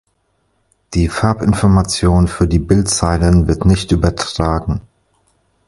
Die Farbinformation für die Bildzeilen wird nicht übertragen.